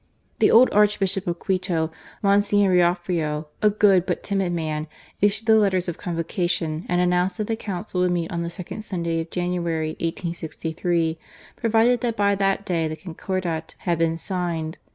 The old Archbishop of Quito, Mgr. Riofrio, a good but timid man, issued the letters of convocation, and announced that the Council would meet on the second Sunday of January, 1863, provided that by that day the Con cordat had been signed.